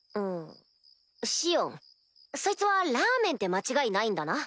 シオンそいつは「ラーメン」で間違いないんだな？